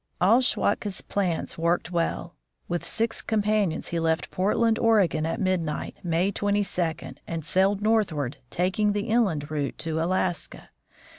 All Schwatka's plans worked well. With six companions he left Portland, Oregon, at midnight, May 22, and sailed northward, taking the inland route to Alaska.